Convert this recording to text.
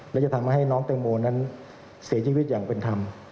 และจะทำให้น้องแตงโมนั้นเสียชีวิตอย่างเป็นธรรม